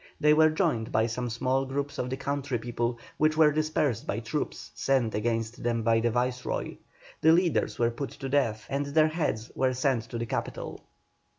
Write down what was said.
They were joined by some small groups of the country people, which were dispersed by troops sent against them by the Viceroy. The leaders were put to death, and their heads were sent to the capital.